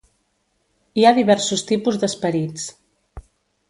Hi ha diversos tipus d'esperits.